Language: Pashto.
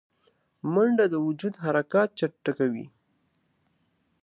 منډه د وجود حرکات چټکوي